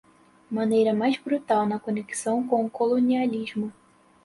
maneira mais brutal na conexão com o colonialismo